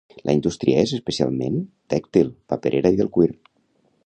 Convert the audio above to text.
La indústria és, especialment, tèxtil, paperera i del cuir.